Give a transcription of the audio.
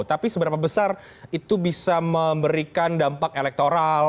tapi seberapa besar itu bisa memberikan dampak elektoral